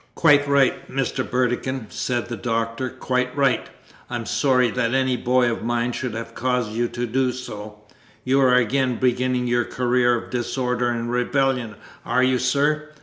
"Quite right, Mr. Burdekin," said the Doctor: "quite right. I am sorry that any boy of mine should have caused you to do so. You are again beginning your career of disorder and rebellion, are you, sir?